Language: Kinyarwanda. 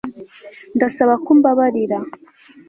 Ndasaba ko umbabarira